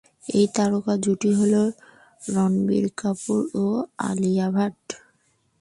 আর এই তারকা জুটি হলো রণবীর কাপুর ও আলিয়া ভাট।